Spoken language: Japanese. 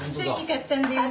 買ったんです。